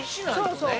そうそう。